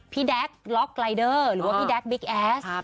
แด๊กล็อกลายเดอร์หรือว่าพี่แจ๊คบิ๊กแอส